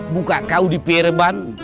buka kau di perban